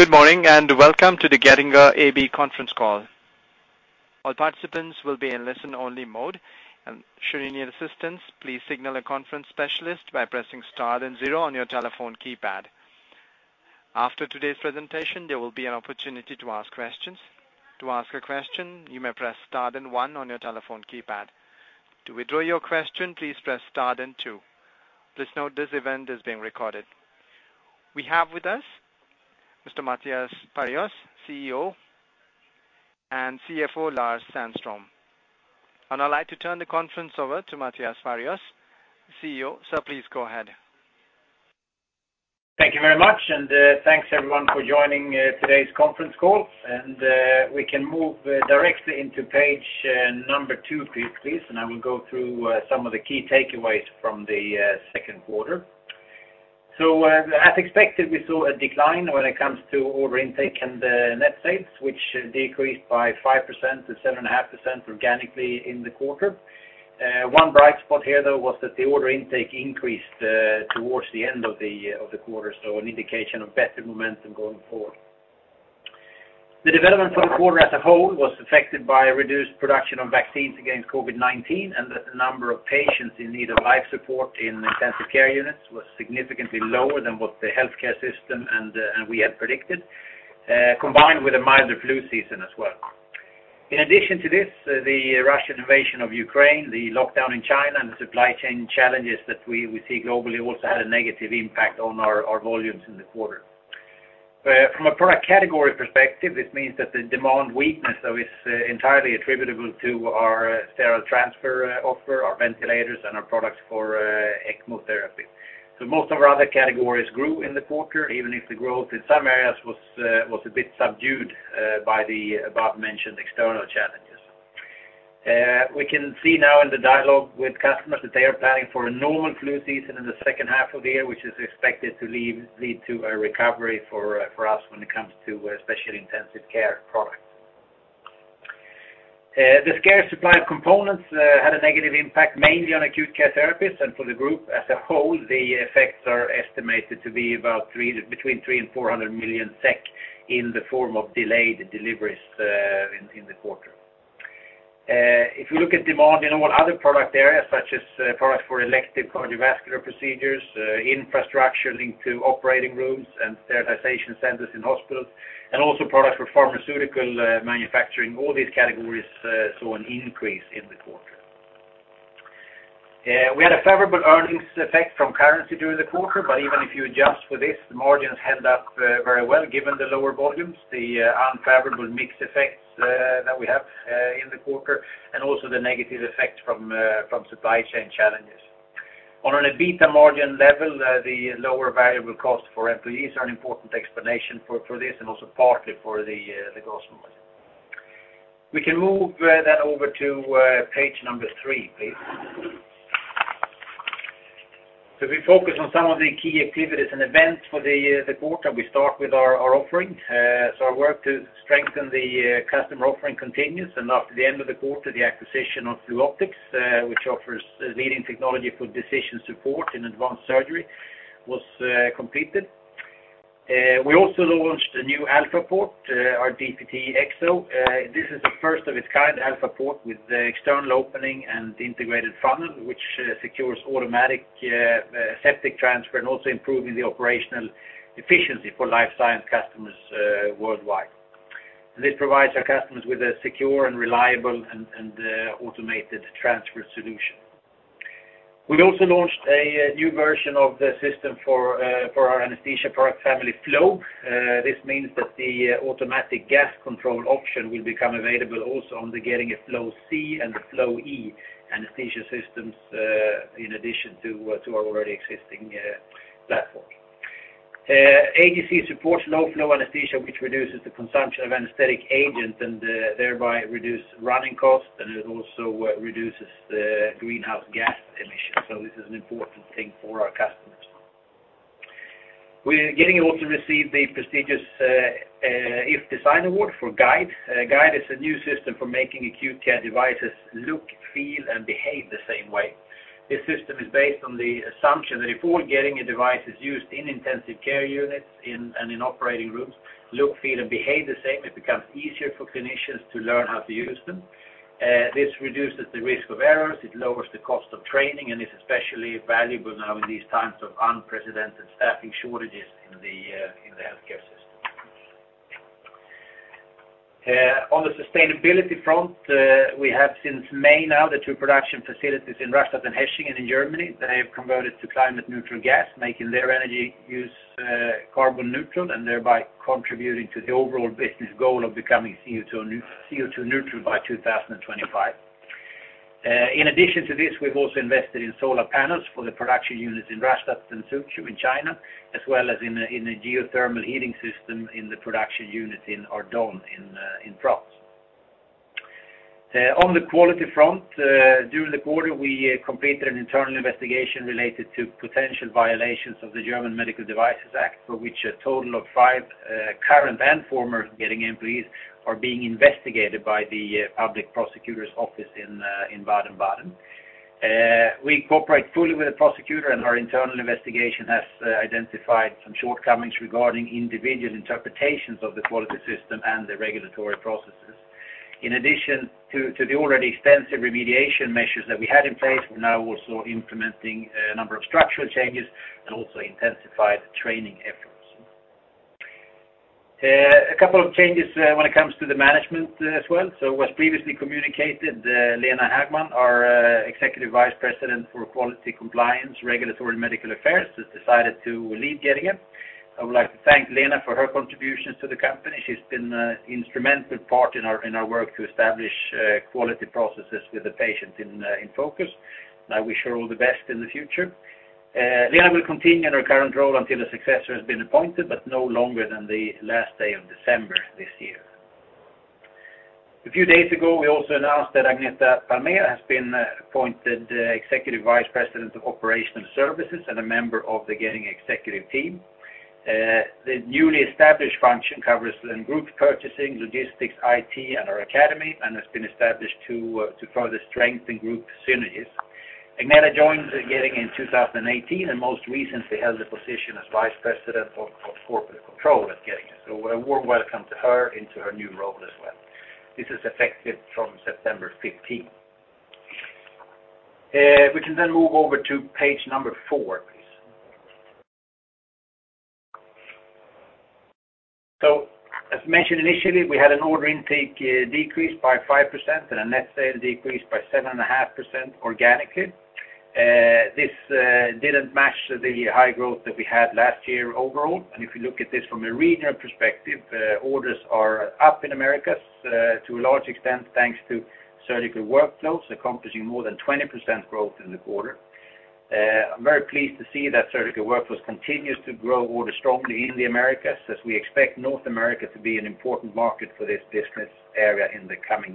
Good morning and welcome to the Getinge AB conference call. All participants will be in listen-only mode. Should you need assistance, please signal a conference specialist by pressing star then zero on your telephone keypad. After today's presentation, there will be an opportunity to ask questions. To ask a question, you may press star then one on your telephone keypad. To withdraw your question, please press star then two. Please note this event is being recorded. We have with us Mr. Mattias Perjos, CEO, and CFO Lars Sandström. I'd like to turn the conference over to Mattias Perjos, CEO. Sir, please go ahead. Thank you very much, and thanks, everyone, for joining today's conference call. We can move directly into page number two, please, and I will go through some of the key takeaways from the second quarter. As expected, we saw a decline when it comes to order intake and net sales, which decreased by 5%-7.5% organically in the quarter. One bright spot here, though, was that the order intake increased towards the end of the quarter, so an indication of better momentum going forward. The development for the quarter as a whole was affected by a reduced production of vaccines against COVID-19 and that the number of patients in need of life support in intensive care units was significantly lower than what the healthcare system and we had predicted, combined with a milder flu season as well. In addition to this, the Russian invasion of Ukraine, the lockdown in China, and the supply chain challenges that we see globally also had a negative impact on our volumes in the quarter. From a product category perspective, this means that the demand weakness, though, is entirely attributable to our sterile transfer offer, our ventilators, and our products for ECMO therapy. Most of our other categories grew in the quarter, even if the growth in some areas was a bit subdued by the above-mentioned external challenges. We can see now in the dialogue with customers that they are planning for a normal flu season in the second half of the year, which is expected to lead to a recovery for us when it comes to especially intensive care products. The scarce supply of components had a negative impact mainly on acute care therapies. For the group as a whole, the effects are estimated to be between 300 million and 400 million SEK in the form of delayed deliveries in the quarter. If you look at demand in our other product areas, such as products for elective cardiovascular procedures, infrastructure linked to operating rooms and sterilization centers in hospitals, and also products for pharmaceutical manufacturing, all these categories saw an increase in the quarter. We had a favorable earnings effect from currency during the quarter. Even if you adjust for this, the margins held up very well given the lower volumes, the unfavorable mix effects that we have in the quarter, and also the negative effects from supply chain challenges. On an EBITDA margin level, the lower variable cost for employees are an important explanation for this and also partly for the gross margin. We can move then over to page number three, please. If we focus on some of the key activities and events for the quarter, we start with our offering. Our work to strengthen the customer offering continues, and after the end of the quarter, the acquisition of Fluoptics, which offers leading technology for decision support in advanced surgery, was completed. We also launched a new DPTE Alpha Port, our DPTE-EXO. This is the first of its kind DPTE Alpha Port with the external opening and integrated funnel, which secures automatic aseptic transfer and also improving the operational efficiency for Life Science customers worldwide. This provides our customers with a secure and reliable and automated transfer solution. We also launched a new version of the system for our anesthesia product family, Flow. This means that the automatic gas control option will become available also on the Getinge Flow-c and the Flow-e anesthesia systems, in addition to our already existing platform. AGC supports low flow anesthesia, which reduces the consumption of anesthetic agent and thereby reduce running costs, and it also reduces the greenhouse gas emissions, so this is an important thing for our customers. Getinge also received the prestigious iF Design Award for Guide. Guide is a new system for making acute care devices look, feel, and behave the same way. This system is based on the assumption that if all Getinge devices used in intensive care units and in operating rooms look, feel, and behave the same, it becomes easier for clinicians to learn how to use them. This reduces the risk of errors, it lowers the cost of training, and is especially valuable now in these times of unprecedented staffing shortages in the healthcare system. On the sustainability front, we have since May now the two production facilities in Rastatt and Hechingen in Germany. They have converted to climate neutral gas, making their energy use carbon neutral and thereby contributing to the overall business goal of becoming CO2 neutral by 2025. In addition to this, we've also invested in solar panels for the production units in Rastatt and Suzhou in China, as well as in a geothermal heating system in the production unit in Ardon in France. On the quality front, during the quarter, we completed an internal investigation related to potential violations of the German Medical Devices Act, for which a total of five current and former Getinge employees are being investigated by the public prosecutor's office in Baden-Baden. We cooperate fully with the prosecutor, and our internal investigation has identified some shortcomings regarding individual interpretations of the quality system and the regulatory processes. In addition to the already extensive remediation measures that we had in place, we're now also implementing a number of structural changes and also intensified training efforts. A couple of changes when it comes to the management as well. As was previously communicated, Lena Hagman, our Executive Vice President for quality, compliance, regulatory, and medical affairs, has decided to leave Getinge. I would like to thank Lena for her contributions to the company. She's been an instrumental part in our work to establish quality processes with the patient in focus, and I wish her all the best in the future. Lena will continue in her current role until a successor has been appointed, but no longer than the last day of December this year. A few days ago, we also announced that Agneta Palmér has been appointed Executive Vice President of Operational Services and a member of the Getinge executive team. The newly established function covers the group purchasing, logistics, IT, and our academy, and has been established to further strengthen group synergies. Agneta joined Getinge in 2018, and most recently held the position as Vice President of Corporate Control at Getinge. A warm welcome to her into her new role as well. This is effective from September fifteenth. We can then move over to page number four, please. As mentioned initially, we had an order intake decrease by 5% and a net sales decrease by 7.5% organically. This didn't match the high growth that we had last year overall. If you look at this from a regional perspective, orders are up in Americas, to a large extent, thanks to Surgical Workflows accomplishing more than 20% growth in the quarter. I'm very pleased to see that Surgical Workflows continues to grow order strongly in the Americas, as we expect North America to be an important market for this business area in the coming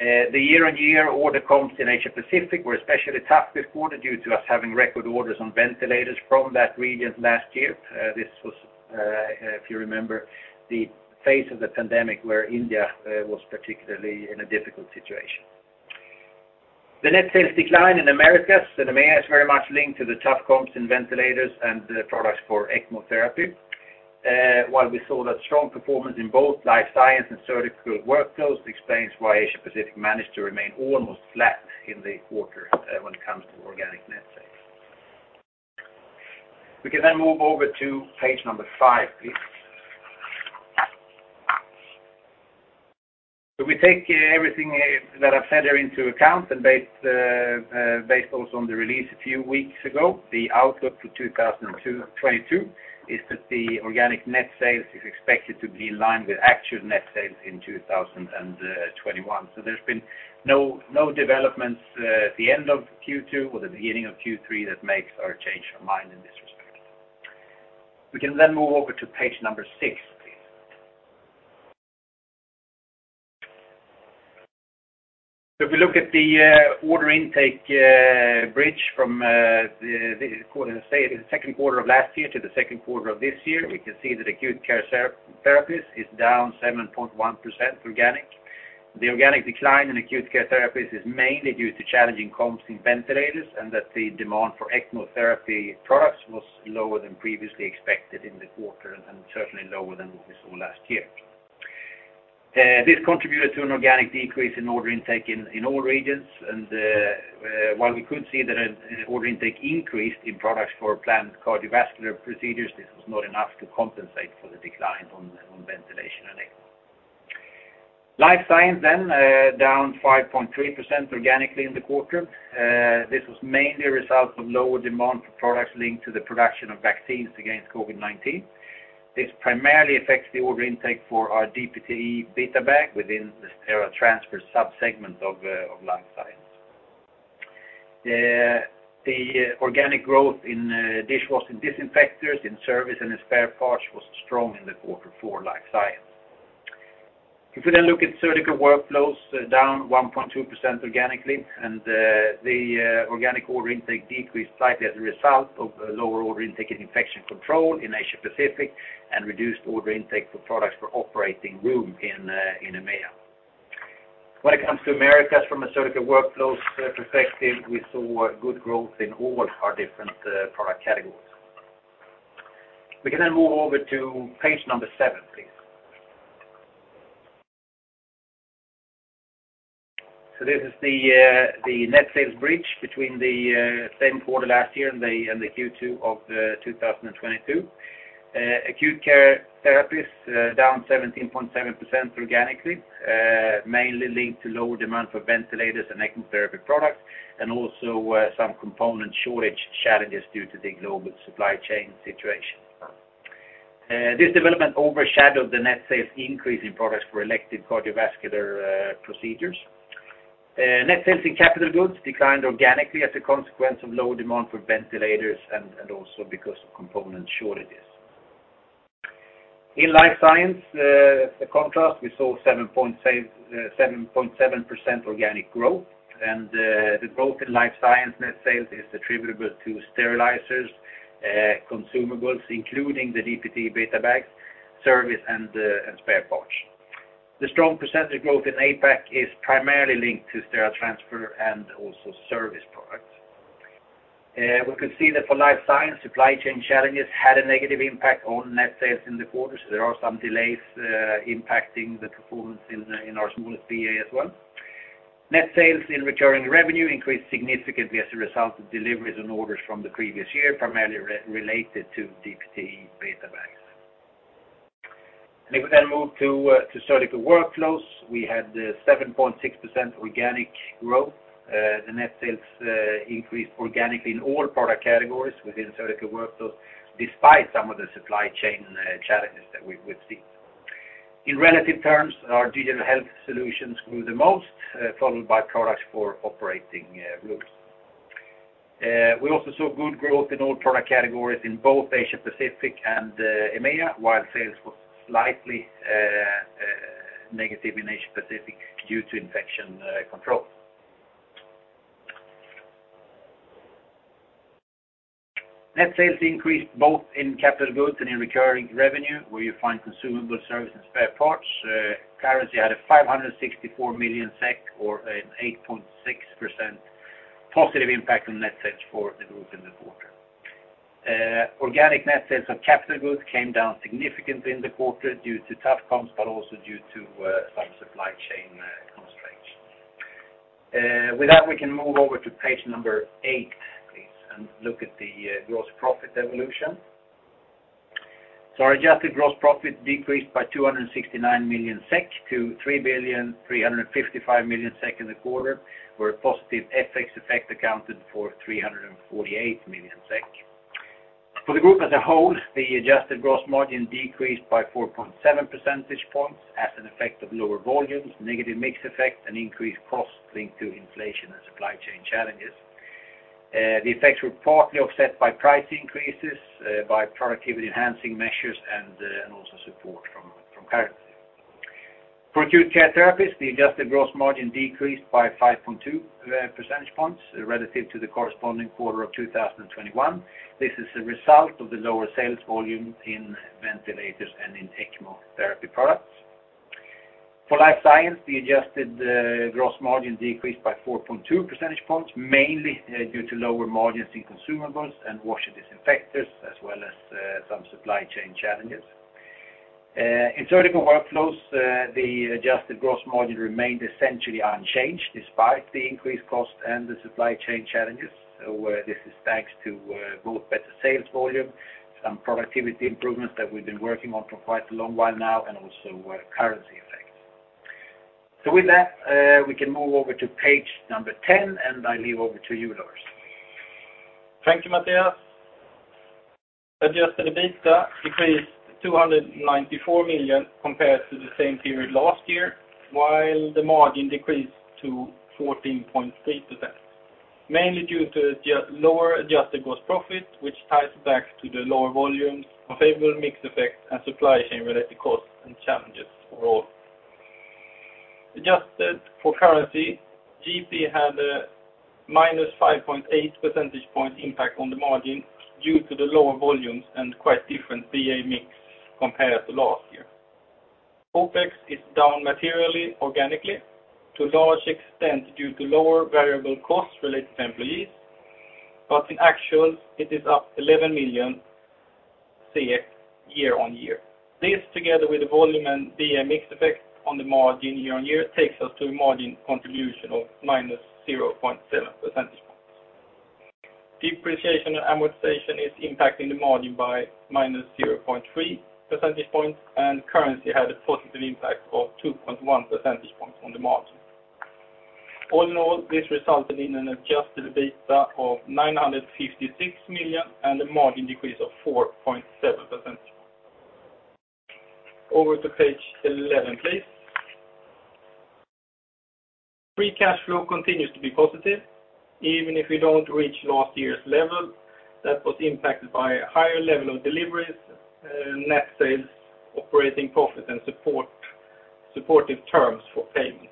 years. The year-on-year order comps in Asia-Pacific were especially tough this quarter due to us having record orders on ventilators from that region last year. This was, if you remember, the phase of the pandemic where India was particularly in a difficult situation. The net sales decline in Americas and EMEA is very much linked to the tough comps in ventilators and the products for ECMO therapy. While we saw that strong performance in both Life Science and Surgical Workflows explains why Asia-Pacific managed to remain almost flat in the quarter, when it comes to organic net sales. We can move over to page number five, please. We take everything that I've said there into account and based also on the release a few weeks ago, the outlook for 2022 is that the organic net sales is expected to be in line with actual net sales in 2021. There's been no developments at the end of Q2 or the beginning of Q3 that makes or change our mind in this respect. We can then move over to page six, please. If you look at the order intake bridge from the second quarter of last year to the second quarter of this year, we can see that Acute Care Therapies is down 7.1% organic. The organic decline in Acute Care Therapies is mainly due to challenging comps in ventilators, and that the demand for ECMO therapy products was lower than previously expected in the quarter, and certainly lower than what we saw last year. This contributed to an organic decrease in order intake in all regions. While we could see that an order intake increased in products for planned cardiovascular procedures, this was not enough to compensate for the decline on ventilation and ECMO. Life Science down 5.3% organically in the quarter. This was mainly a result of lower demand for products linked to the production of vaccines against COVID-19. This primarily affects the order intake for our DPTE-BetaBag within the sterile transfer sub-segment of Life Science. The organic growth in Washer-Disinfectors in service and spare parts was strong in the quarter for Life Science. If you then look at Surgical Workflows down 1.2% organically, and the organic order intake decreased slightly as a result of lower order intake in infection control in Asia-Pacific and reduced order intake for products for operating room in EMEA. When it comes to Americas from a Surgical Workflows perspective, we saw good growth in all our different product categories. We can then move over to page number seven, please. This is the net sales bridge between the same quarter last year and the Q2 of 2022. Acute Care Therapies down 17.7% organically, mainly linked to lower demand for ventilators and ECMO therapy products, and also some component shortage challenges due to the global supply chain situation. This development overshadowed the net sales increase in products for elective cardiovascular procedures. Net sales in capital goods declined organically as a consequence of lower demand for ventilators and also because of component shortages. In Life Science, in contrast, we saw 7.7% organic growth. The growth in Life Science net sales is attributable to sterilizers, consumables, including the DPTE-BetaBags, service and spare parts. The strong percentage growth in APAC is primarily linked to sterile transfer and also service products. We could see that for Life Science, supply chain challenges had a negative impact on net sales in the quarters. There are some delays impacting the performance in our smallest BA as well. Net sales in recurring revenue increased significantly as a result of deliveries and orders from the previous year, primarily related to DPTE-BetaBags. If we then move to Surgical Workflows, we had 7.6% organic growth. The net sales increased organically in all product categories within Surgical Workflows, despite some of the supply chain challenges that we've seen. In relative terms, our Digital Health Solutions grew the most, followed by products for operating rooms. We also saw good growth in all product categories in both Asia-Pacific and EMEA, while sales was slightly negative in Asia-Pacific due to infection control. Net sales increased both in capital goods and in recurring revenue, where you find consumable service and spare parts. Currency had a 564 million SEK or 8.6% positive impact on net sales for the group in the quarter. Organic net sales of capital goods came down significantly in the quarter due to tough comps, but also due to some supply chain constraints. With that, we can move over to page 8, please, and look at the gross profit evolution. Our adjusted gross profit decreased by 269 million-3.355 billion SEK in the quarter, where a positive FX effect accounted for 348 million SEK. For the group as a whole, the adjusted gross margin decreased by 4.7 percentage points as an effect of lower volumes, negative mix effect, and increased costs linked to inflation and supply chain challenges. The effects were partly offset by price increases, by productivity enhancing measures, and also support from currency. For Acute Care Therapies, the adjusted gross margin decreased by 5.2 percentage points relative to the corresponding quarter of 2021. This is a result of the lower sales volume in ventilators and in ECMO therapy products. For Life Science, the adjusted gross margin decreased by 4.2 percentage points, mainly due to lower margins in consumables and Washer-Disinfectors, as well as some supply chain challenges. In Surgical Workflows, the adjusted gross margin remained essentially unchanged despite the increased cost and the supply chain challenges, where this is thanks to both better sales volume, some productivity improvements that we've been working on for quite a long while now, and also currency effects. With that, we can move over to page number 10, and I hand over to you, Lars. Thank you, Mattias. Adjusted EBITDA decreased 294 million compared to the same period last year, while the margin decreased to 14.3%, mainly due to the lower adjusted gross profit, which ties back to the lower volumes, favorable mix effects, and supply chain-related costs and challenges overall. Adjusted for currency, GP had a -5.8 percentage point impact on the margin due to the lower volumes and quite different BA mix compared to last year. OPEX is down materially organically to a large extent due to lower variable costs related to employees. In actual, it is up 11 million year-over-year. This, together with the volume and BA mix effect on the margin year-over-year, takes us to a margin contribution of -0.7 percentage points. Depreciation and amortization is impacting the margin by -0.3 percentage points, and currency had a positive impact of 2.1 percentage points on the margin. All in all, this resulted in an adjusted EBITDA of 956 million and a margin decrease of 4.7%. Over to page eleven, please. Free cash flow continues to be positive, even if we don't reach last year's level. That was impacted by a higher level of deliveries, net sales, operating profit, and supportive terms for payments.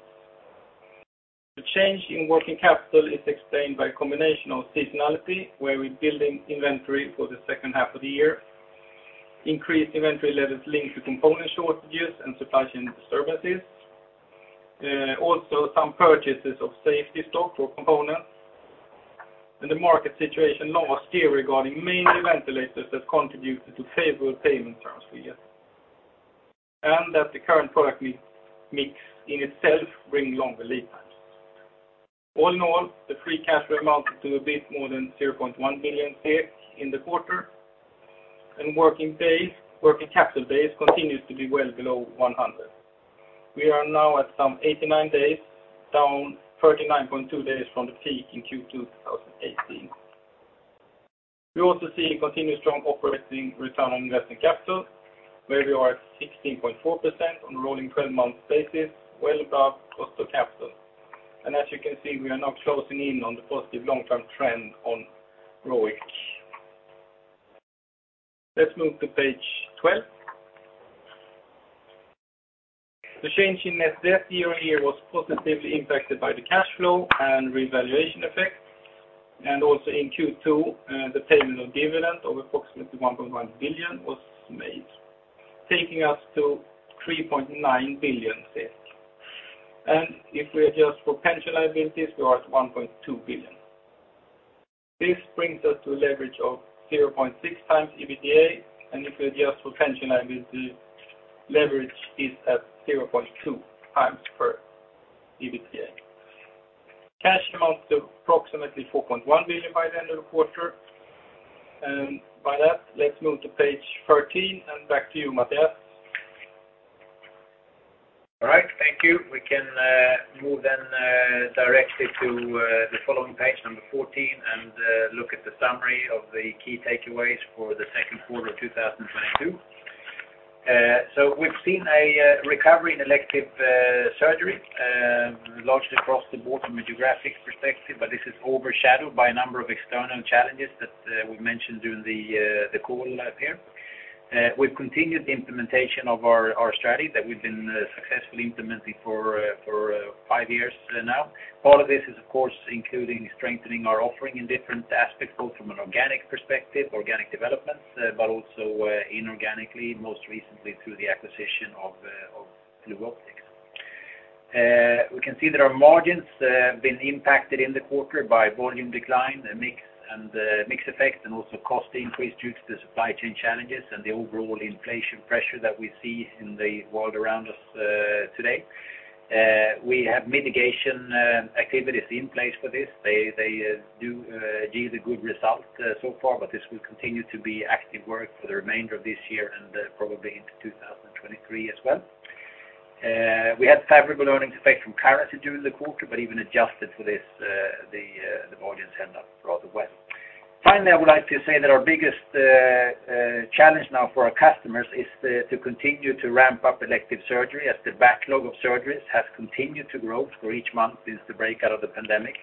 The change in working capital is explained by a combination of seasonality, where we're building inventory for the second half of the year, increased inventory levels linked to component shortages and supply chain disturbances, also some purchases of safety stock for components, and the market situation last year regarding mainly ventilators that contributed to favorable payment terms for you, and that the current product mix in itself bring longer lead times. All in all, the free cash flow amounted to a bit more than 0.1 billion in the quarter, and working days, working capital days continues to be well below 100. We are now at some 89 days, down 39.2 days from the peak in Q2 2018. We also see continued strong operating return on invested capital, where we are at 16.4% on a rolling 12-month basis, well above cost of capital. As you can see, we are now closing in on the positive long-term trend on ROIC. Let's move to page 12. The change in net debt year was positively impacted by the cash flow and revaluation effect. Also in Q2, the payment of dividend of approximately 1.1 billion was made, taking us to 3.9 billion debt. If we adjust for pension liabilities, we are at 1.2 billion. This brings us to a leverage of 0.6x EBITDA. If we adjust for pension liability, leverage is at 0.2x EBITDA. Cash amounts to approximately 4.1 billion by the end of the quarter. By that, let's move to page 13 and back to you, Mattias. All right, thank you. We can move then directly to the following page 14 and look at the summary of the key takeaways for the second quarter of 2022. We've seen a recovery in elective surgery largely across the board from a geographic perspective, but this is overshadowed by a number of external challenges that we mentioned during the call here. We've continued the implementation of our strategy that we've been successfully implementing for five years now. Part of this is, of course, including strengthening our offering in different aspects, both from an organic perspective, organic developments, but also inorganically, most recently through the acquisition of Fluoptics. We can see that our margins have been impacted in the quarter by volume decline and mix, and mix effect, and also cost increase due to the supply chain challenges and the overall inflation pressure that we see in the world around us today. We have mitigation activities in place for this. They do yield a good result so far, but this will continue to be active work for the remainder of this year and probably into 2023 as well. We had favorable earnings effect from currency during the quarter, but even adjusted for this, the volumes end up rather well. Finally, I would like to say that our biggest challenge now for our customers is to continue to ramp up elective surgery as the backlog of surgeries has continued to grow for each month since the outbreak of the pandemic.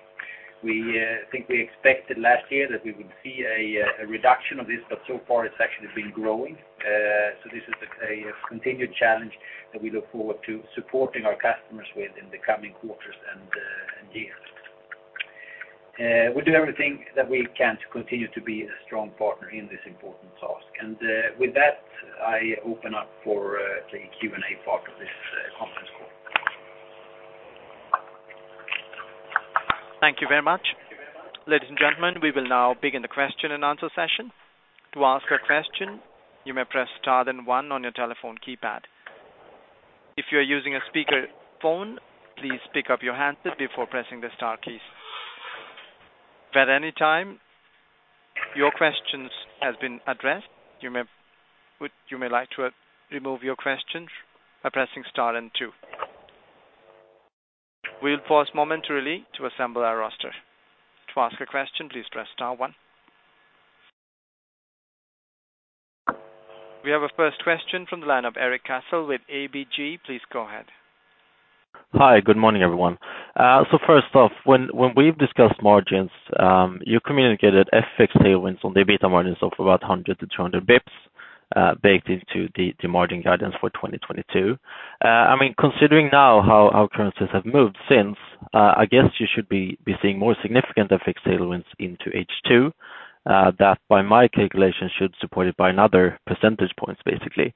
We think we expected last year that we would see a reduction of this, but so far it's actually been growing. This is a continued challenge that we look forward to supporting our customers with in the coming quarters and years. We do everything that we can to continue to be a strong partner in this important task. With that, I open up for the Q&A part of this conference call. Thank you very much. Ladies and gentlemen, we will now begin the question and answer session. To ask a question, you may press star then one on your telephone keypad. If you're using a speakerphone, please pick up your handset before pressing the star keys. If at any time your question has been addressed, you may remove your question by pressing star and two. We'll pause momentarily to assemble our roster. To ask a question, please press star one. We have our first question from the line of Erik Cassel with ABG. Please go ahead. Hi, good morning, everyone. First off, when we've discussed margins, you communicated FX tailwinds on the EBITDA margins of about 100-200 basis points, baked into the margin guidance for 2022. I mean, considering now how our currencies have moved since, I guess you should be seeing more significant FX tailwinds into H2, that by my calculation should support it by another 100 basis points, basically.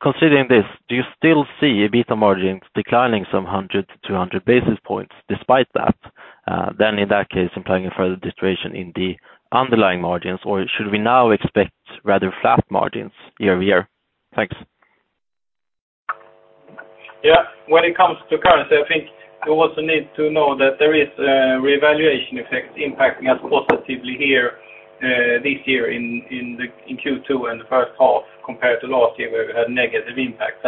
Considering this, do you still see EBITDA margins declining some 100-200 basis points despite that, then in that case, implying a further deterioration in the underlying margins? Or should we now expect rather flat margins year-over-year? Thanks. Yeah. When it comes to currency, I think you also need to know that there is revaluation effects impacting us positively here this year in Q2 and the first half compared to last year, where we had negative impacts.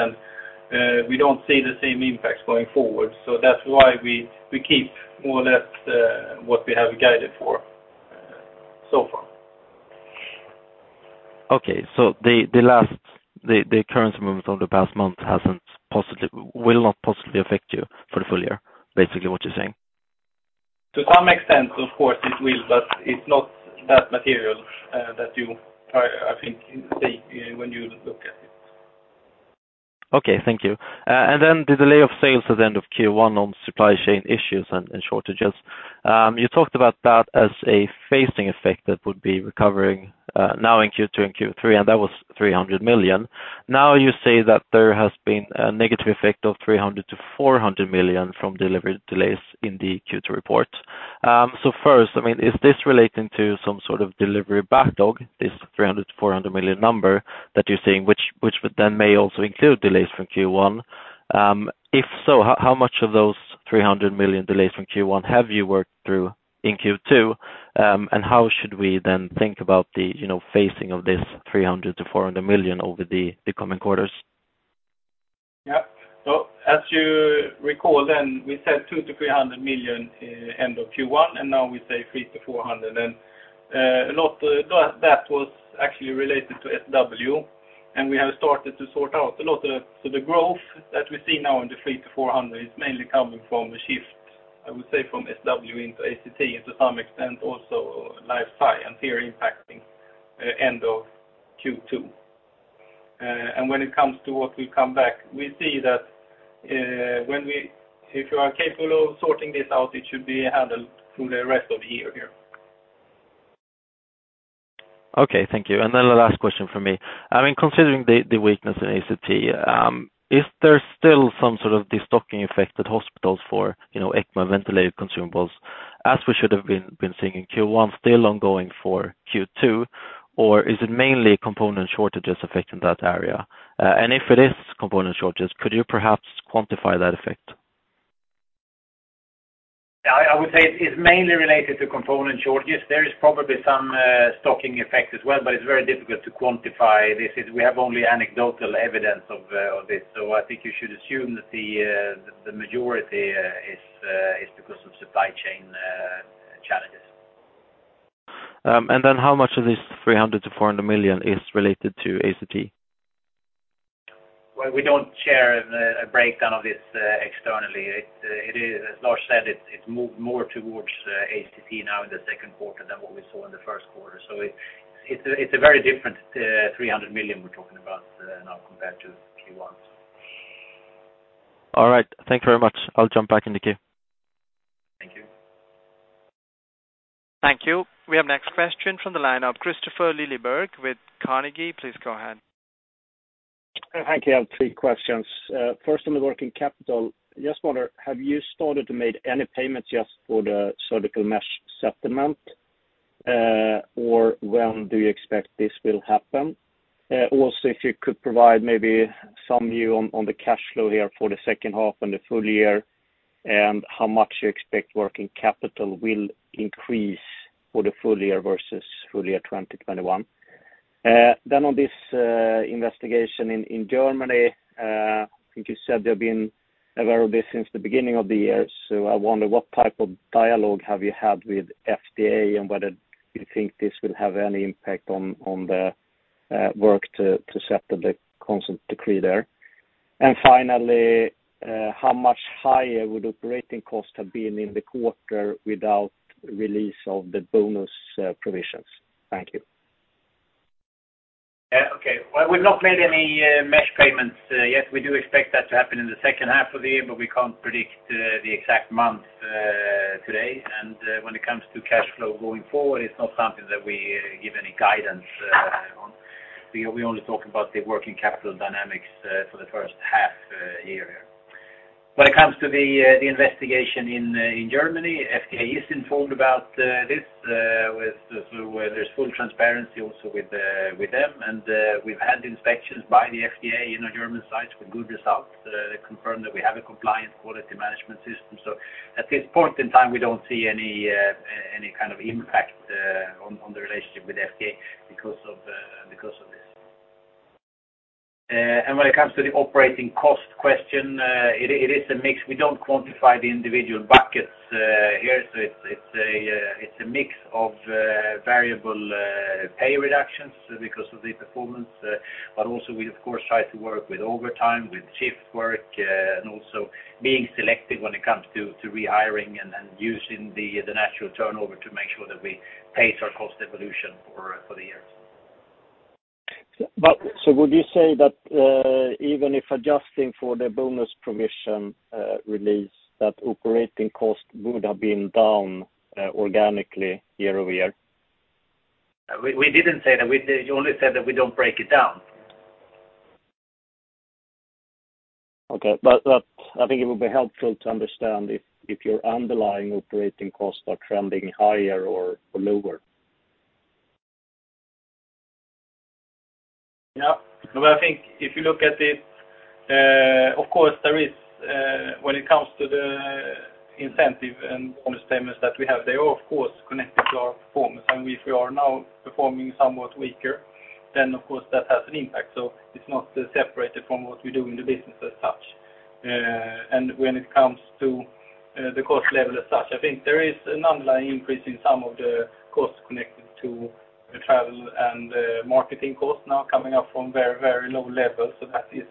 We don't see the same impacts going forward. That's why we keep more or less what we have guided for so far. The currency movements over the past month will not positively affect you for the full year, basically what you're saying? To some extent, of course, it will, but it's not that material that you are, I think, see when you look at it. Okay. Thank you. The delay of sales at the end of Q1 on supply chain issues and shortages, you talked about that as a phasing effect that would be recovering now in Q2 and Q3, and that was 300 million. Now you say that there has been a negative effect of 300 million-400 million from delivery delays in the Q2 report. First, I mean, is this relating to some sort of delivery backlog, this 300 million-400 million number that you're seeing, which would then may also include delays from Q1? If so, how much of those 300 million delays from Q1 have you worked through in Q2? How should we then think about the, you know, phasing of this 300 million-400 million over the coming quarters? Yeah. As you recall then, we said 200 million-300 million end of Q1, and now we say 300 million-400 million. A lot of that was actually related to SW, and we have started to sort out a lot of. The growth that we see now in the 300 million-400 million is mainly coming from a shift, I would say, from SW into ACT and to some extent also Life Science and here impacting end of Q2. When it comes to what will come back, we see that if you are capable of sorting this out, it should be handled through the rest of the year here. Okay, thank you. The last question from me. I mean, considering the weakness in ACT, is there still some sort of destocking effect at hospitals for, you know, ECMO ventilated consumables as we should have been seeing in Q1 still ongoing for Q2? Or is it mainly component shortages affecting that area? And if it is component shortages, could you perhaps quantify that effect? I would say it's mainly related to component shortages. There is probably some stocking effect as well, but it's very difficult to quantify this. We have only anecdotal evidence of this. I think you should assume that the majority is because of supply chain challenges. How much of this 300 million-400 million is related to ACT? Well, we don't share a breakdown of this externally. It is, as Lars said, it's moved more towards ACT now in the second quarter than what we saw in the first quarter. It's a very different 300 million we're talking about now compared to Q1. All right. Thank you very much. I'll jump back in the queue. Thank you. Thank you. We have next question from the line of Kristofer Liljeberg-Svensson with Carnegie. Please go ahead. Thank you. I have three questions. First on the working capital, just wonder, have you started to make any payments just for the surgical mesh settlement, or when do you expect this will happen? Also, if you could provide maybe some view on the cash flow here for the second half and the full year, and how much you expect working capital will increase for the full year versus full year 2021. Then on this investigation in Germany, I think you said they've been aware of this since the beginning of the year. I wonder what type of dialogue have you had with FDA and whether you think this will have any impact on the work to settle the consent decree there. Finally, how much higher would operating costs have been in the quarter without release of the bonus provisions? Thank you. Yeah. Okay. Well, we've not made any mesh payments yet. We do expect that to happen in the second half of the year, but we can't predict the exact month today. When it comes to cash flow going forward, it's not something that we give any guidance on. We only talk about the working capital dynamics for the first half year here. When it comes to the investigation in Germany, FDA is informed about this, where there's full transparency also with them. We've had inspections by the FDA in our German sites with good results. They confirmed that we have a compliant quality management system. At this point in time, we don't see any kind of impact on the relationship with FDA because of this. When it comes to the operating cost question, it is a mix. We don't quantify the individual buckets here. It's a mix of variable pay reductions because of the performance. Also we of course try to work with overtime, with shift work, and also being selective when it comes to rehiring and using the natural turnover to make sure that we pace our cost evolution for the year. Would you say that even if adjusting for the bonus provision release, that operating costs would have been down organically year-over-year? We didn't say that. We only said that we don't break it down. I think it would be helpful to understand if your underlying operating costs are trending higher or lower. Yeah. No, I think if you look at it, of course, there is, when it comes to the incentive and bonus payments that we have, they are of course connected to our performance. If we are now performing somewhat weaker, then of course that has an impact. It's not separated from what we do in the business as such. When it comes to the cost level as such, I think there is an underlying increase in some of the costs connected to the travel and marketing costs now coming up from very, very low levels. That is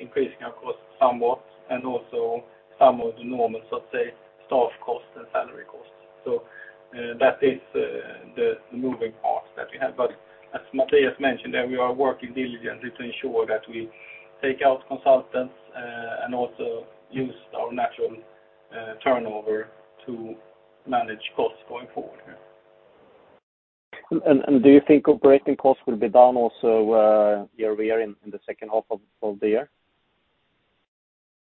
increasing our costs somewhat and also some of the normal, let's say, staff costs and salary costs. That is the moving parts that we have. As Mattias mentioned, we are working diligently to ensure that we take out consultants and also use our natural turnover to manage costs going forward. Do you think operating costs will be down also year over year in the second half of the year?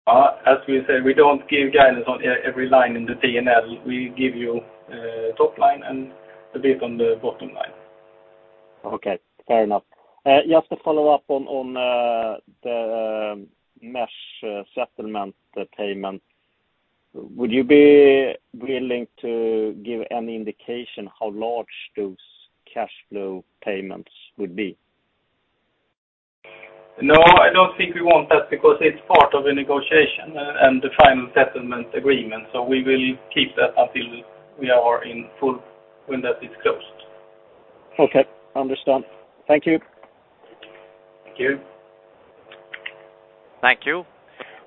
As we say, we don't give guidance on every line in the P&L. We give you top line and a bit on the bottom line. Okay, fair enough. Just to follow up on the mesh settlement payment, would you be willing to give any indication how large those cash flow payments would be? No, I don't think we want that because it's part of a negotiation and the final settlement agreement. We will keep that until we are in full when that is closed. Okay, understood. Thank you. Thank you. Thank you.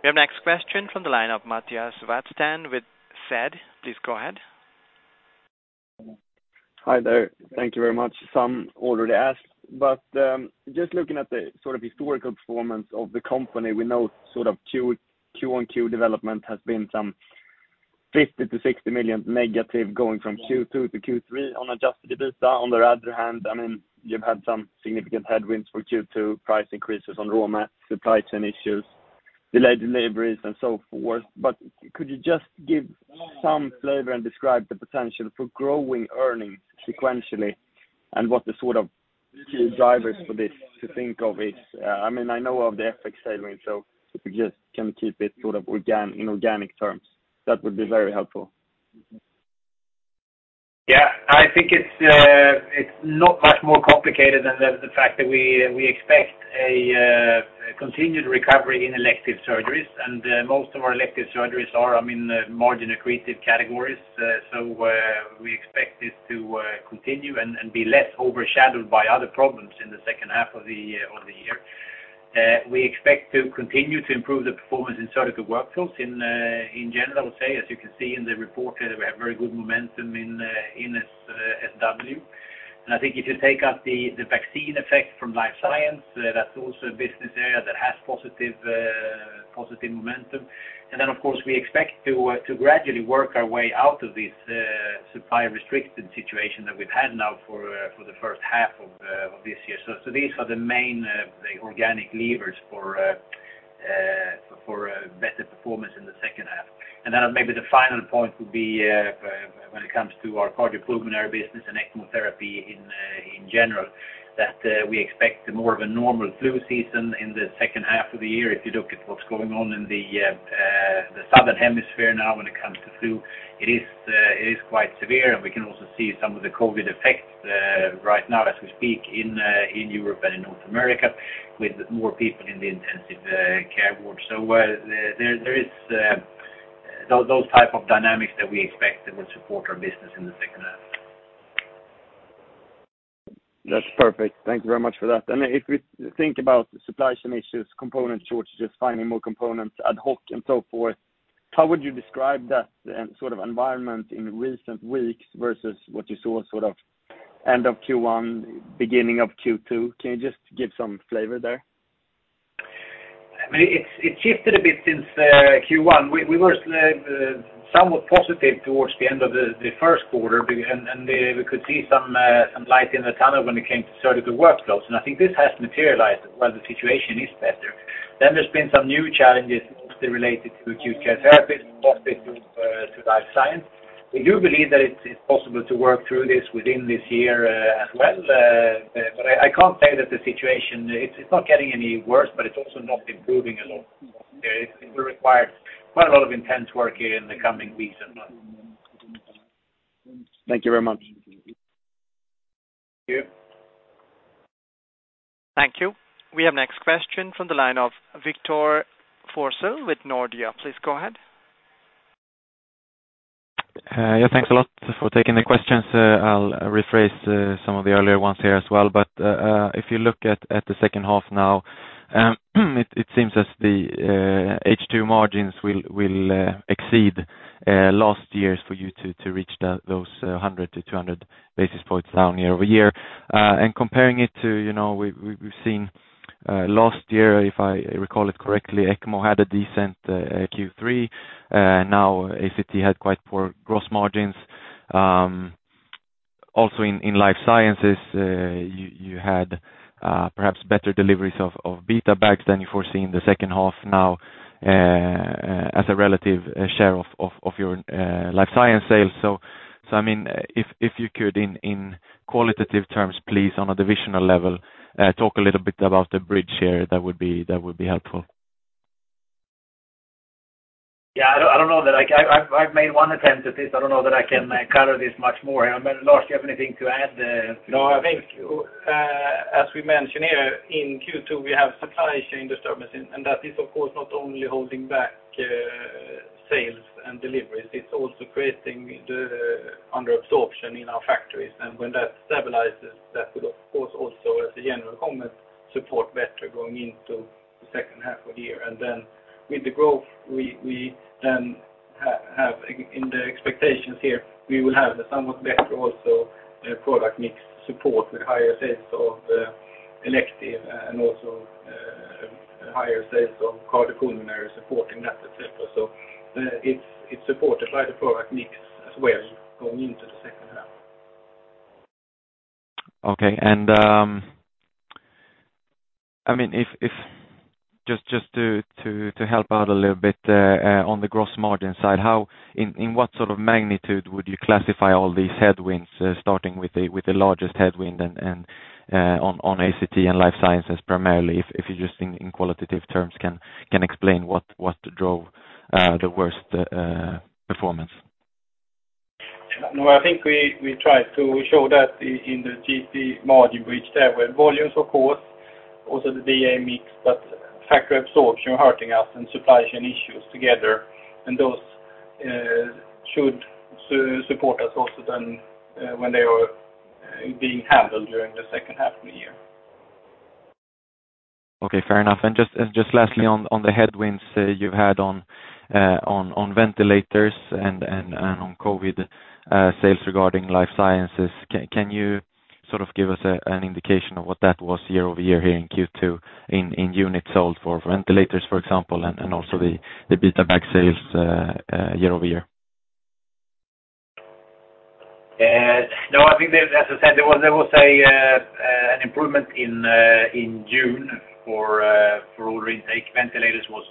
We have next question from the line of Mattias Vadsten with SEB. Please go ahead. Hi there. Thank you very much. Some already asked, but just looking at the sort of historical performance of the company, we know sort of QoQ development has been some 50 million-60 million negative going from Q2 to Q3 on adjusted EBITDA. On the other hand, I mean, you've had some significant headwinds for Q2, price increases on raw mats, supply chain issues, delayed deliveries and so forth. Could you just give some flavor and describe the potential for growing earnings sequentially and what the sort of key drivers for this to think of is? I mean, I know of the FX savings, so if you just can keep it sort of organic terms, that would be very helpful. Yeah. I think it's not much more complicated than the fact that we expect a continued recovery in elective surgeries, and most of our elective surgeries are, I mean, margin accretive categories. We expect this to continue and be less overshadowed by other problems in the second half of the year. We expect to continue to improve the performance in Surgical Workflows in general, I would say. As you can see in the report here, we have very good momentum in SW. I think if you take out the vaccine effect from Life Science, that's also a business area that has positive momentum. Of course, we expect to gradually work our way out of this supply restricted situation that we've had now for the first half of this year. These are the main organic levers for better performance in the second half. Maybe the final point would be when it comes to our cardiopulmonary business and ECMO therapy in general, that we expect more of a normal flu season in the second half of the year. If you look at what's going on in the southern hemisphere now when it comes to flu, it is quite severe, and we can also see some of the COVID effects right now as we speak in Europe and in North America, with more people in the intensive care ward. There is those type of dynamics that we expect that will support our business in the second half. That's perfect. Thank you very much for that. If we think about supply chain issues, component shortage, just finding more components ad hoc and so forth, how would you describe that sort of environment in recent weeks versus what you saw sort of end of Q1, beginning of Q2? Can you just give some flavor there? I mean, it's shifted a bit since Q1. We were somewhat positive towards the end of the first quarter and we could see some light in the tunnel when it came to Surgical Workflows, and I think this has materialized while the situation is better. There's been some new challenges mostly related to Acute Care Therapies, mostly to Life Science. We do believe that it's possible to work through this within this year as well. I can't say that the situation. It's not getting any worse, but it's also not improving a lot. It will require quite a lot of intense work here in the coming weeks and months. Thank you very much. Thank you. Thank you. We have next question from the line of Victor Forssell with Nordea. Please go ahead. Yeah, thanks a lot for taking the questions. I'll rephrase some of the earlier ones here as well. If you look at the second half now, it seems as the H2 margins will exceed last year's for you to reach those 100 to 200 basis points down year-over-year. Comparing it to, you know, we've seen last year, if I recall it correctly, ECMO had a decent Q3. Now ACT had quite poor gross margins. Also in Life Science, you had perhaps better deliveries of beta bags than you foreseen the second half now, as a relative share of your Life Science sales. I mean, if you could in qualitative terms, please, on a divisional level, talk a little bit about the bridge here, that would be helpful. Yeah, I don't know that I've made one attempt at this. I don't know that I can color this much more. I mean, Lars, do you have anything to add to- No, I think, as we mentioned here, in Q2, we have supply chain disturbance, and that is, of course, not only holding back sales and deliveries, it's also creating the under absorption in our factories. When that stabilizes, that would, of course, also as a general comment, support better going into the second half of the year. Then with the growth we then have in the expectations here, we will have a somewhat better also product mix support with higher sales of elective and also higher sales of cardiopulmonary supporting that et cetera. It's supported by the product mix as well going into the second half. Okay. I mean, just to help out a little bit on the gross margin side, how, in what sort of magnitude would you classify all these headwinds, starting with the largest headwind and on ACT and Life Science primarily, if you just, in qualitative terms can explain what drove the worst performance? No, I think we tried to show that in the Getinge margin bridge there, where volumes of course also the BA mix, but factory absorption hurting us and supply chain issues together. Those should support us also then, when they are. Being handled during the second half of the year. Okay, fair enough. Just lastly on the headwinds you've had on ventilators and on COVID sales regarding Life Science. Can you sort of give us an indication of what that was year-over-year here in Q2 in units sold for ventilators, for example, and also the beta Bag sales year-over-year? No, I think, as I said, there was an improvement in June for all our intake. Ventilators was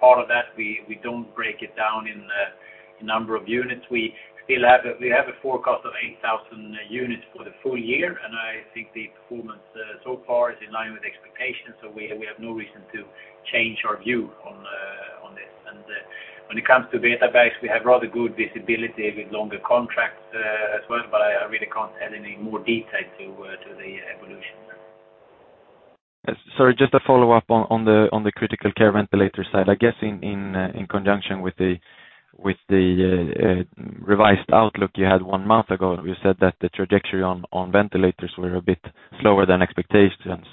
part of that. We don't break it down into the number of units. We still have a forecast of 8,000 units for the full year, and I think the performance so far is in line with expectations, so we have no reason to change our view on this. When it comes to beta Bags, we have rather good visibility with longer contracts as well, but I really can't add any more detail to the evolution. Sorry, just a follow-up on the critical care ventilator side. I guess in conjunction with the revised outlook you had one month ago, you said that the trajectory on ventilators were a bit slower than expectations.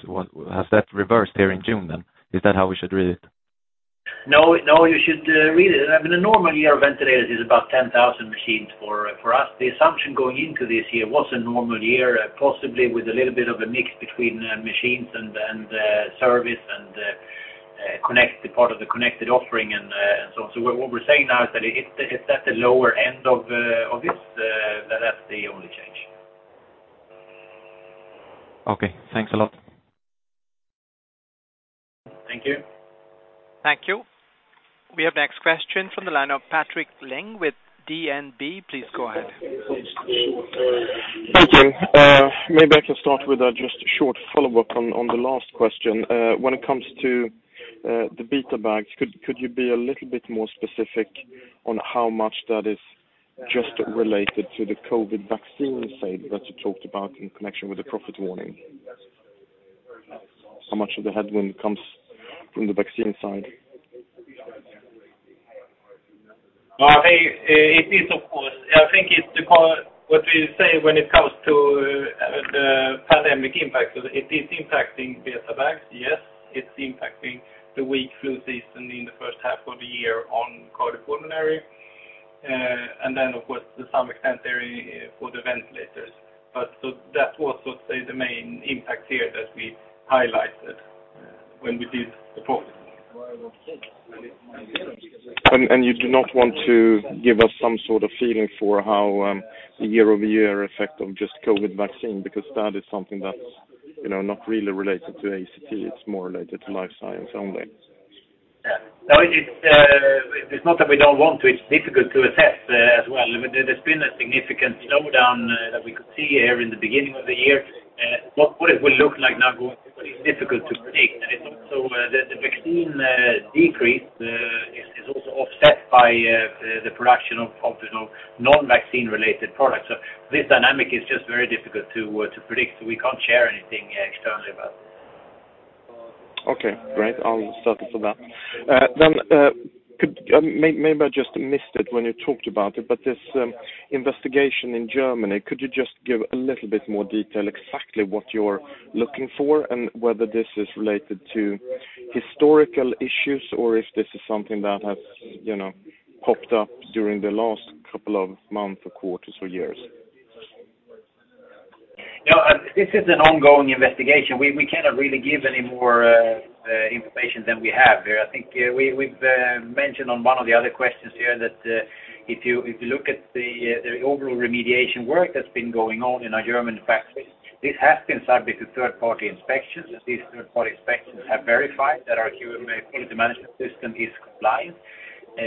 Has that reversed here in June then? Is that how we should read it? No, you should read it. I mean, a normal year of ventilators is about 10,000 machines for us. The assumption going into this year was a normal year, possibly with a little bit of a mix between machines and service and the part of the connected offering and so on. What we're saying now is that it's at the lower end of this, that's the only change. Okay, thanks a lot. Thank you. Thank you. We have next question from the line of Patrik Ling with DNB. Please go ahead. Thank you. Maybe I can start with just a short follow-up on the last question. When it comes to the beta Bags, could you be a little bit more specific on how much that is just related to the COVID vaccine sale that you talked about in connection with the profit warning? How much of the headwind comes from the vaccine side? It is, of course. I think it's what we say when it comes to the pandemic impact. It is impacting BetaBags, yes, it's impacting the weak flu season in the first half of the year on cardiopulmonary, and then of course to some extent there it for the ventilators. That was sort of, say, the main impact here that we highlighted when we did the profit. You do not want to give us some sort of feeling for how the year-over-year effect of just COVID vaccine, because that is something that's, you know, not really related to ACT, it's more related to Life Science only. Yeah. No, it's not that we don't want to. It's difficult to assess as well. I mean, there's been a significant slowdown that we could see here in the beginning of the year. What it will look like now going forward, it's difficult to predict. It's also the vaccine decrease is also offset by the production of, you know, non-vaccine related products. This dynamic is just very difficult to predict, so we can't share anything externally about it. Okay, great. I'll settle for that. Maybe I just missed it when you talked about it, but this investigation in Germany, could you just give a little bit more detail exactly what you're looking for, and whether this is related to historical issues or if this is something that has, you know, popped up during the last couple of months or quarters or years? No, this is an ongoing investigation. We cannot really give any more information than we have here. I think we've mentioned on one of the other questions here that if you look at the overall remediation work that's been going on in our German factories, this has been subject to third-party inspections. These third-party inspections have verified that our QMS quality management system is compliant.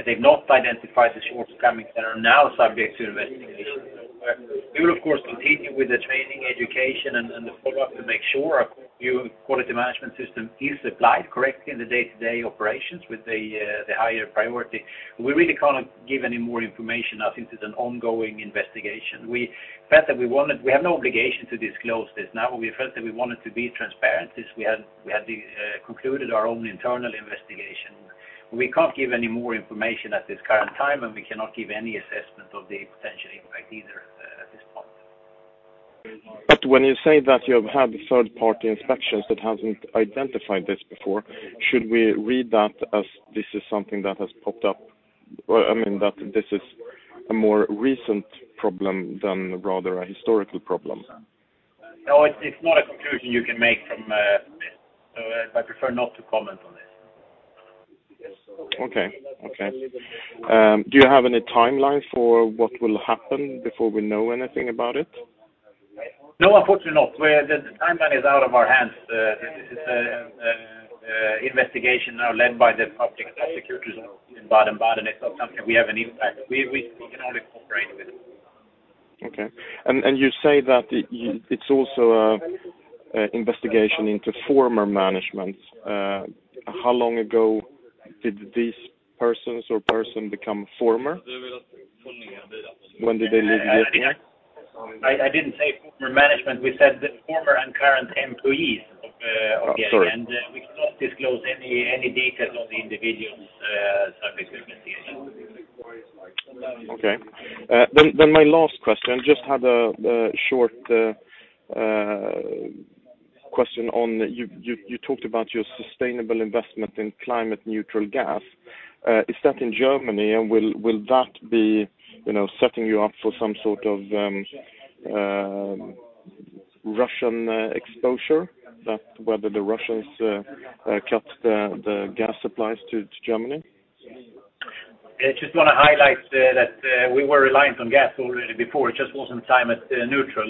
They've not identified the shortcomings that are now subject to investigation. We will, of course, continue with the training, education, and the follow-up to make sure our new quality management system is applied correctly in the day-to-day operations with the higher priority. We really can't give any more information as this is an ongoing investigation. We felt that we wanted. We have no obligation to disclose this. Now, we felt that we wanted to be transparent since we had concluded our own internal investigation. We can't give any more information at this current time, and we cannot give any assessment of the potential impact either at this point. When you say that you have had third-party inspections that hasn't identified this before, should we read that as this is something that has popped up? Or, I mean, that this is a more recent problem than rather a historical problem? No, it's not a conclusion you can make from this. I prefer not to comment on this. Okay. Do you have any timeline for what will happen before we know anything about it? No, unfortunately not. The timeline is out of our hands. This is an investigation now led by the public prosecutors in Baden-Baden. It's not something we have an impact. We can only cooperate with it. Okay. You say that it's also a investigation into former management. How long ago did these persons or person become former? When did they leave the- I didn't say former management. We said the former and current employees of the Sorry. We cannot disclose any details on the individuals subject to investigation. Okay. Then my last question, just had a short question on you talked about your sustainable investment in climate neutral gas. Is that in Germany and will that be, you know, setting you up for some sort of Russian exposure that whether the Russians cut the gas supplies to Germany? Yeah. Just wanna highlight that we were reliant on gas already before. It just wasn't climate neutral.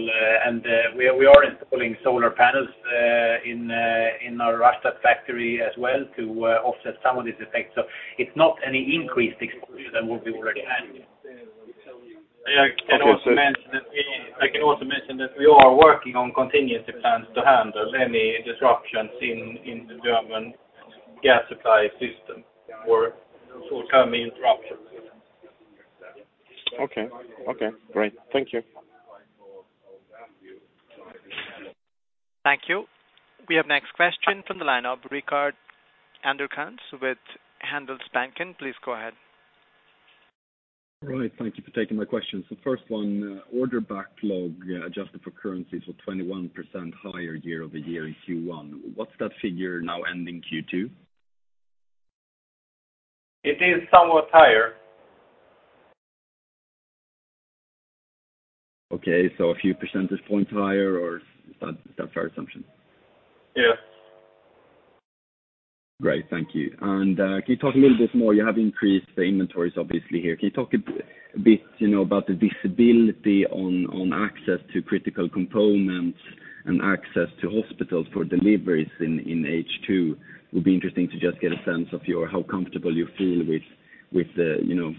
We are installing solar panels in our Rastatt factory as well to offset some of these effects. It's not any increased exposure that we'll be working on. I can also mention that we are working on contingency plans to handle any disruptions in the German gas supply system or short-term interruptions. Okay. Okay, great. Thank you. Thank you. We have next question from the line of Rickard Anderkrans with Handelsbanken. Please go ahead. All right. Thank you for taking my questions. First one, order backlog, adjusted for currencies were 21% higher year-over-year in Q1. What's that figure now ending Q2? It is somewhat higher. Okay. A few percentage points higher or is that a fair assumption? Yeah. Great. Thank you. Can you talk a little bit more, you have increased the inventories obviously here. Can you talk a bit, you know, about the visibility on access to critical components and access to hospitals for deliveries in H2? Would be interesting to just get a sense of how comfortable you feel with you know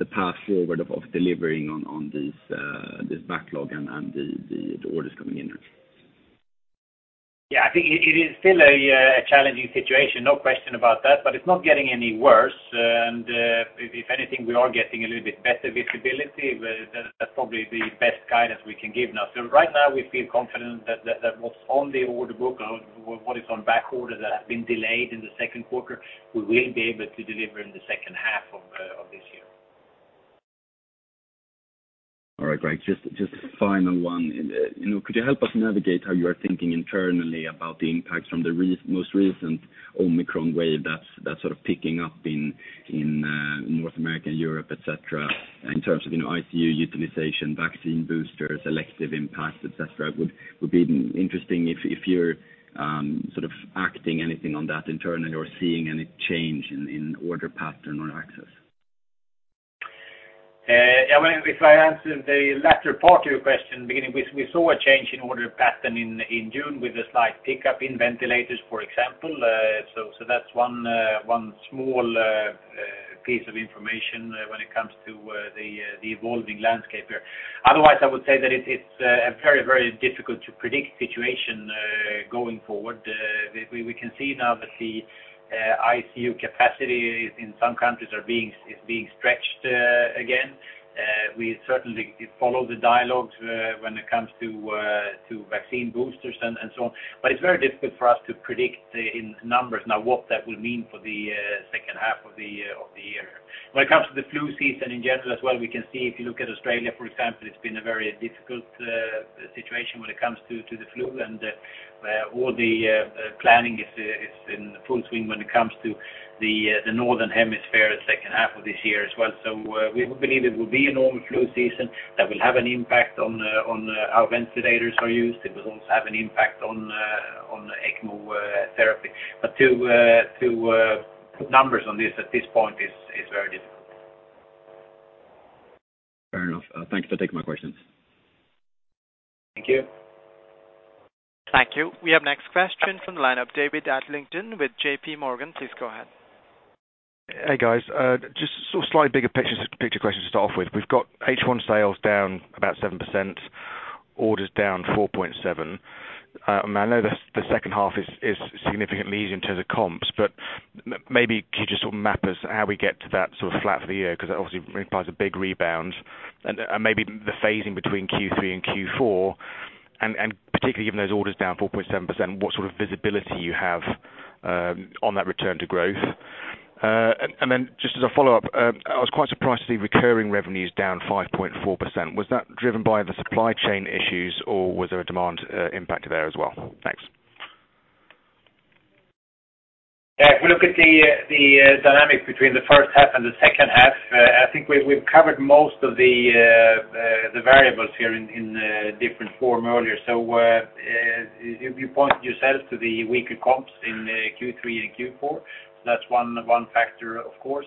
the path forward of delivering on this backlog and the orders coming in there. Yeah. I think it is still a challenging situation, no question about that, but it's not getting any worse. If anything, we are getting a little bit better visibility, but that's probably the best guidance we can give now. Right now we feel confident that what's on the order book or what is on backorder that has been delayed in the second quarter, we will be able to deliver in the second half of this year. All right. Great. Just final one. You know, could you help us navigate how you are thinking internally about the impacts from the most recent Omicron wave that's sort of picking up in North America and Europe, et cetera, in terms of, you know, ICU utilization, vaccine boosters, elective impacts, et cetera. Would be interesting if you're sort of taking any action on that internally or seeing any change in order patterns or asks. Yeah, well, if I answer the latter part of your question, beginning we saw a change in order pattern in June with a slight pickup in ventilators, for example. So that's one small piece of information when it comes to the evolving landscape here. Otherwise, I would say that it's a very difficult to predict situation going forward. We can see now that the ICU capacity in some countries is being stretched again. We certainly follow the dialogues when it comes to vaccine boosters and so on. But it's very difficult for us to predict in numbers now what that will mean for the second half of the year. When it comes to the flu season in general as well, we can see if you look at Australia, for example, it's been a very difficult situation when it comes to the flu and all the planning is in full swing when it comes to the northern hemisphere second half of this year as well. We believe it will be a normal flu season that will have an impact on how ventilators are used. It will also have an impact on ECMO therapy. To put numbers on this at this point is very difficult. Fair enough. Thank you for taking my questions. Thank you. Thank you. We have next question from the line of David Adlington with J.P. Morgan. Please go ahead. Hey, guys. Just sort of slightly bigger picture question to start off with. We've got H1 sales down about 7%, orders down 4.7. I know the second half is significantly easier in terms of comps, but maybe can you just sort of map out how we get to that sort of flat for the year, 'cause that obviously requires a big rebound. Maybe the phasing between Q3 and Q4, and particularly given those orders down 4.7%, what sort of visibility you have on that return to growth? Then just as a follow-up, I was quite surprised to see recurring revenues down 5.4%. Was that driven by the supply chain issues or was there a demand impact there as well? Thanks. Yeah. If we look at the dynamic between the first half and the second half, I think we've covered most of the variables here in different form earlier. You point yourself to the weaker comps in Q3 and Q4. That's one factor of course.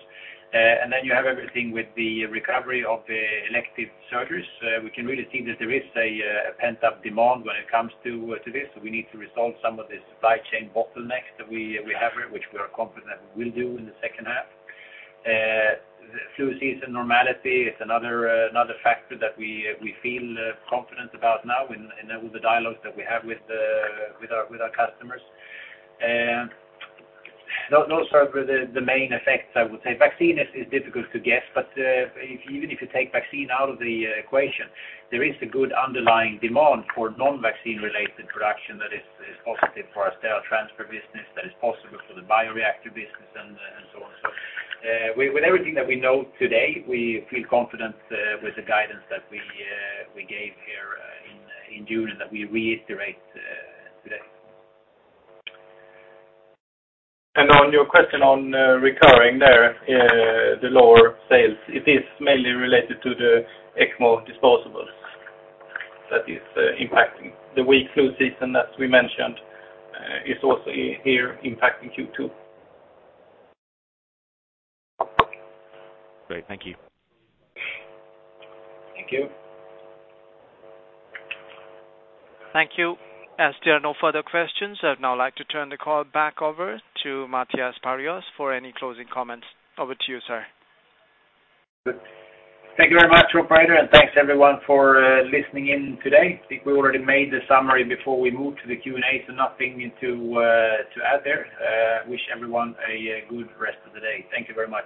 Then you have everything with the recovery of the elective surgeries. We can really see that there is a pent-up demand when it comes to this. We need to resolve some of the supply chain bottlenecks that we have here, which we are confident we will do in the second half. Flu season normality is another factor that we feel confident about now in all the dialogues that we have with our customers. Those are the main effects, I would say. Vaccine is difficult to guess, but even if you take vaccine out of the equation, there is a good underlying demand for non-vaccine related production that is positive for our sterile transfer business, that is positive for the bioreactor business and so on. With everything that we know today, we feel confident with the guidance that we gave here in June and that we reiterate today. On your question on recurring there, the lower sales, it is mainly related to the ECMO disposables that is impacting. The weak flu season that we mentioned is also here impacting Q2. Great. Thank you. Thank you. Thank you. As there are no further questions, I'd now like to turn the call back over to Mattias Perjos for any closing comments. Over to you, sir. Good. Thank you very much, operator, and thanks everyone for listening in today. I think we already made the summary before we moved to the Q&A, so nothing to add there. Wish everyone a good rest of the day. Thank you very much.